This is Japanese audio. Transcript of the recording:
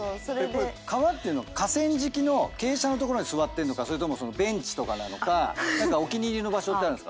川っていうのは河川敷の傾斜の所に座ってんのかそれともベンチとかなのかお気に入りの場所あるんですか？